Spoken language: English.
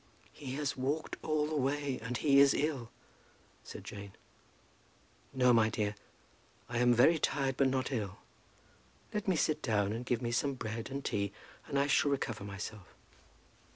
"He has walked all the way, and he is ill," said Jane. "No, my dear, I am very tired, but not ill. Let me sit down, and give me some bread and tea, and I shall recover myself."